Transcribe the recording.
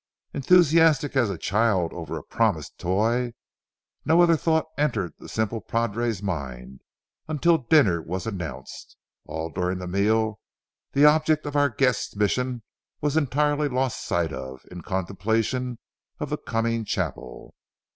Enthusiastic as a child over a promised toy, no other thought entered the simple padre's mind, until dinner was announced. And all during the meal, the object of our guest's mission was entirely lost sight of, in contemplation of the coming chapel.